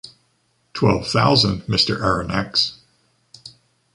Twelve thousand, Mr. Aronnax.